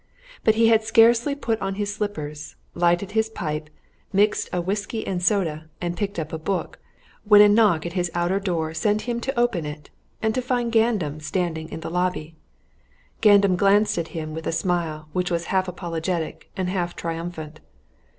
But he had scarcely put on his slippers, lighted his pipe, mixed a whisky and soda, and picked up a book, when a knock at his outer door sent him to open it and to find Gandam standing in the lobby. Gandam glanced at him with a smile which was half apologetic and half triumphant.